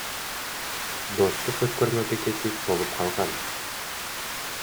Достук өкмөрмө бекети толуп калган.